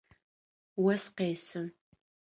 Ос къесы.